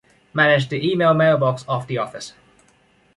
Manage the email mailbox of the Office.